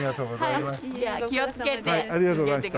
ありがとうございます。